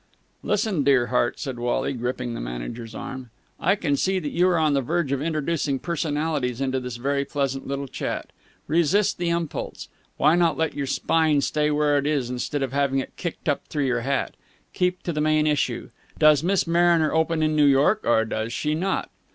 "Listen, dear heart," said Wally, gripping the manager's arm, "I can see that you are on the verge of introducing personalities into this very pleasant little chat. Resist the impulse! Why not let your spine stay where it is instead of having it kicked up through your hat? Keep to the main issue. Does Miss Mariner open in New York or does she not?"